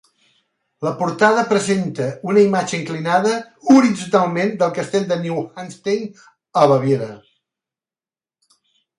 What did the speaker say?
La portada presenta una imatge inclinada horitzontalment del castell de Neuschwanstein a Baviera.